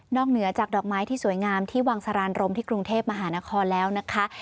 เหนือจากดอกไม้ที่สวยงามที่วังสารานรมที่กรุงเทพมหานครแล้วนะคะ